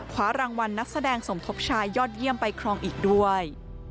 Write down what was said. คว้ารางวัลนักแสดงสมทบชายยอดเยี่ยมไปครองอีกด้วย